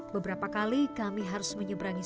beberapa kali kami harus menyeberangi